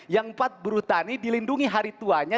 yang empat buruh tani dilindungi hari tuanya